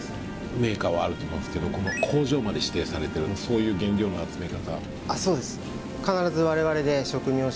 メーカーはあると思うんですけど工場まで指定されてるそういう原料の集め方？